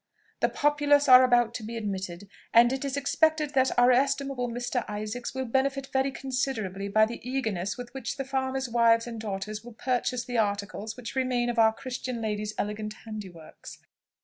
The populace are about to be admitted, and it is expected that our estimable Mr. Isaacs will benefit very considerably by the eagerness with which the farmers' wives and daughters will purchase the articles which remain of our Christian ladies' elegant handiworks.